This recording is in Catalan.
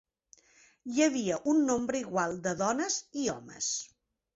Hi havia un nombre igual de dones i homes.